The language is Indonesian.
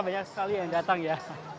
wah ternyata banyak sekali yang datang ya